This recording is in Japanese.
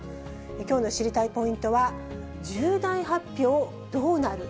きょうの知りたいポイントは重大発表どうなる？